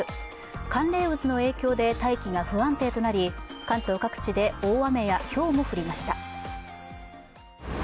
寒冷渦の影響で大気が不安定となり、関東各地で大雨やひょうも降りました。